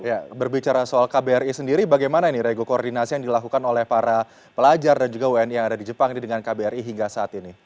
ya berbicara soal kbri sendiri bagaimana ini rego koordinasi yang dilakukan oleh para pelajar dan juga wni yang ada di jepang ini dengan kbri hingga saat ini